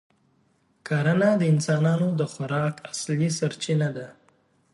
کرنه د انسانانو د خوراک اصلي سرچینه ده.